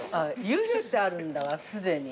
◆ゆでてあるんだわ、すでに。